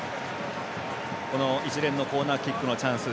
この一連のコーナーキックのチャンス